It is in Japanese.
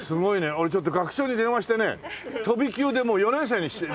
俺ちょっと学長に電話してね飛び級でもう４年生でいいよ。